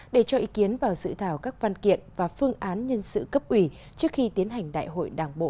để cho ý kiến vào dự thảo các văn kiện và phương án nhân sự cấp ủy trước khi tiến hành đại hội đảng bộ